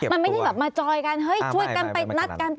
มันไม่ได้แบบมาจอยกันเฮ้ยช่วยกันไปนัดกันไป